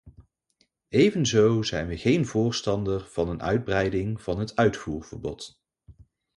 Evenzo zijn we geen voorstander van een uitbreiding van het uitvoerverbod.